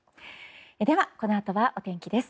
では、このあとはお天気です。